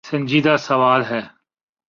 سنجیدہ سوال ہے۔